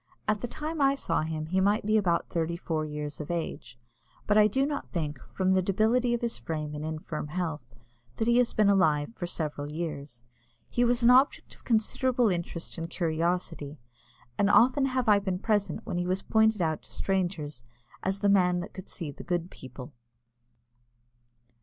At the time I saw him, he might be about thirty four years of age, but I do not think, from the debility of his frame and infirm health, that he has been alive for several years. He was an object of considerable interest and curiosity, and often have I been present when he was pointed out to strangers as "the man that could see the good people."